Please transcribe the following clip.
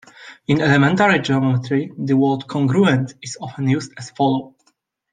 In elementary geometry the word "congruent" is often used as follows.